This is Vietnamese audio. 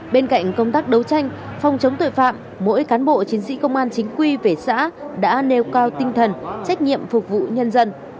bên cạnh công tác đấu tranh phòng chống tội phạm mỗi cán bộ chiến sĩ công an chính quy về xã đã nêu cao tinh thần trách nhiệm phục vụ nhân dân